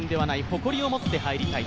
誇りを持って入りたい。